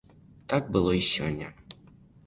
Так было і сёння.